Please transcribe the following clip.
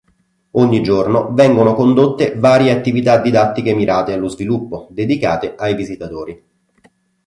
Ogni giorno vengono condotte varie attività didattiche mirate allo sviluppo, dedicate ai visitatori.